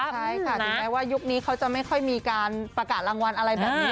ใช่ค่ะถึงแม้ว่ายุคนี้เขาจะไม่ค่อยมีการประกาศรางวัลอะไรแบบนี้